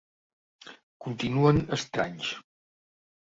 Continuen estranys.